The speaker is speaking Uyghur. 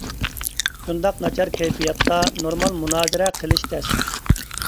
شۇنداق ناچار كەيپىياتتا نورمال مۇنازىرە قىلىشى تەس.